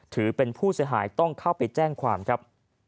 ถือเป็นผู้เสียหายต้องเข้าไปแจ้งความครับ